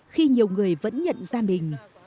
khi nhiều người vẫn nhận ra mình